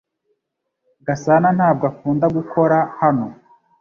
Gasana ntabwo akunda gukora hano .